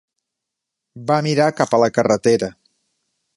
Va mirar cap a la carretera.